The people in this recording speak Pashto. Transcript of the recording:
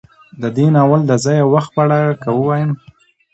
د دې ناول د ځاى او وخت په اړه که وايم